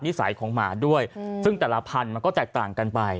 นิสัยของหมาด้วยซึ่งแต่ละพันธุ์มันก็แตกต่างกันไป